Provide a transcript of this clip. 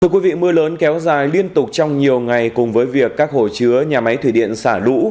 thưa quý vị mưa lớn kéo dài liên tục trong nhiều ngày cùng với việc các hồ chứa nhà máy thủy điện xả lũ